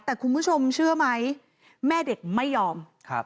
แต่คุณผู้ชมเชื่อไหมแม่เด็กไม่ยอม